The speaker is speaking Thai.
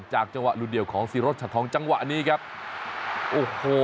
จังหวะรุ่นเดียวของซีรสชัดทองจังหวะนี้ครับโอ้โห